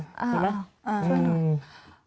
ใช่ไหมช่วยหน่อย